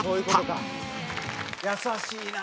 優しいなあ。